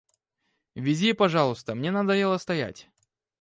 Вези, пожалуйста, мне надоело стоять.